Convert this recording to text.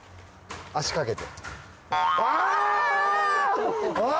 足かけて。